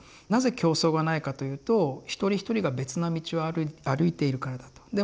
なぜ競争がないかというと一人一人が別な道を歩いているからだと。